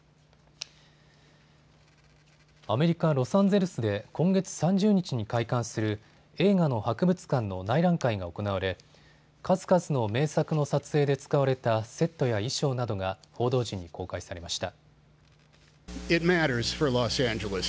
アメリカ・ロサンゼルスで今月３０日に開館する映画の博物館の内覧会が行われ数々の名作の撮影で使われたセットや衣装などが報道陣に公開されました。